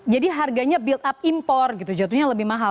jadi harganya build up impor gitu jatuhnya lebih mahal